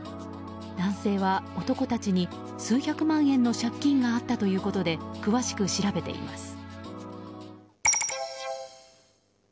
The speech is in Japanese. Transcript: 男性は男たちに数百万円の借金があったということで詳しく調べています。